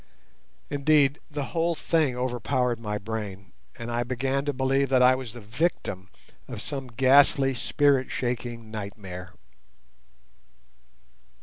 Indeed, the whole thing overpowered my brain, and I began to believe that I was the victim of some ghastly spirit shaking nightmare.